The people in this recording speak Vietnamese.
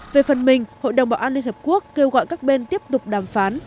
về phần mình hội đồng bảo an liên hợp quốc kêu gọi các bên tiếp tục đàm phán